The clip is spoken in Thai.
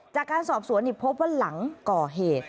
จากการสอบสวนพบว่าหลังก่อเหตุ